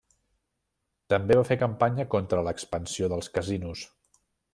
També va fer campanya contra l'expansió dels casinos.